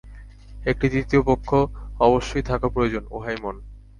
একটি তৃতীয় পক্ষ অবশ্যই থাকা প্রয়োজন, উহাই মন।